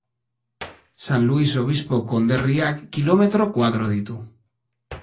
San Luis Obispo konderriak kilometro koadro ditu.